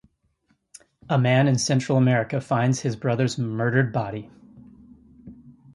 A man in Central America finds his brother's murdered body.